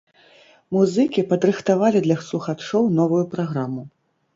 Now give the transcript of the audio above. Музыкі падрыхтавалі для слухачоў новую праграму.